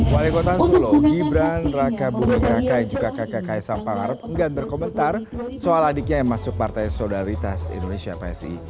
wali kota sulaw gibran raka bumiraka yang juga kakak ksam pengarep enggak berkomentar soal adiknya yang masuk partai solidaritas indonesia psi